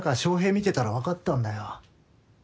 見てたら分かったんだよ。